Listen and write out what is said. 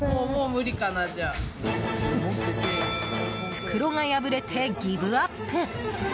袋が破れてギブアップ！